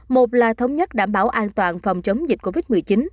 một là thống nhất đảm bảo an toàn phòng chống dịch covid một mươi chín